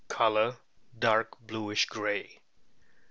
Colour dark bluish grey.